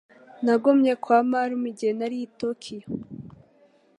Nagumye kwa marume igihe nari i Tokiyo.